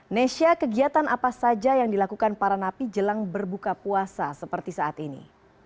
nesha kegiatan apa saja yang dilakukan para napi jelang berbuka puasa seperti saat ini